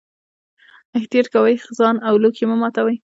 احتیاط کوئ، ځان او لوښي مه ماتوئ.